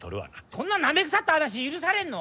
そんななめくさった話許されんの？